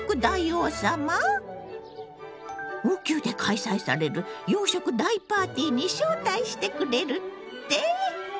王宮で開催される洋食大パーティーに招待してくれるって？